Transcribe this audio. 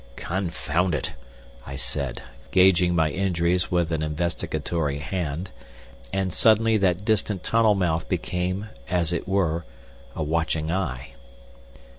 "Confound it!" I said, gauging my injuries with an investigatory hand, and suddenly that distant tunnel mouth became, as it were, a watching eye.